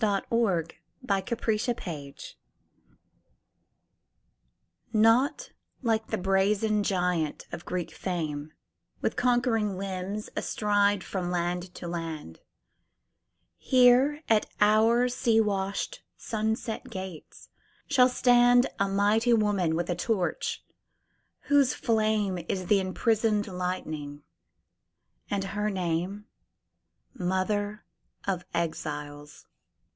1917. The New Colossus Emma Lazarus NOT like the brazen giant of Greek fame, With conquering limbs astride from land to land; Here at our sea washed, sunset gates shall standA mighty woman with a torch, whose flameIs the imprisoned lightning, and her nameMother of Exiles.